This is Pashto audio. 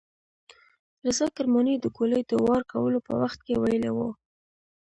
رضا کرماني د ګولۍ د وار کولو په وخت کې ویلي وو.